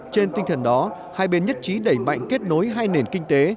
trên tinh thần đó hai bên nhất trí đẩy mạnh kết nối hai nền kinh tế